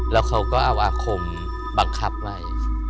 แล้วเขาก็เอาอาคมบังคับไว้